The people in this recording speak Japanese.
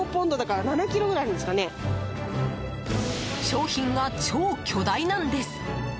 商品が超巨大なんです！